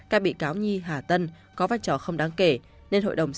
các bị cáo nhi hà tân có vai trò không đáng kể nên hội đồng xét xử đã tuyên các mức án trên